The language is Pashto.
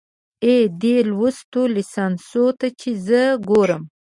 اې، دې لوستو ليسانسو ته چې زه ګورم